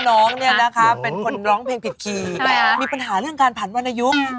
น้องพี่น้องท่ำน้องต่ำดูท่าตินาย